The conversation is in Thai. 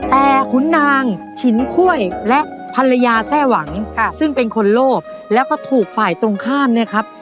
แต่ขุนนางฉินค่วยและภรรยาแทร่หวังซึ่งเป็นคนโลภแล้วก็ถูกฝ่ายตรงข้ามเนี่ยครับ